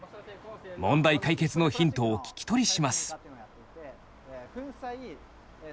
問題解決のヒントを聞き取りします。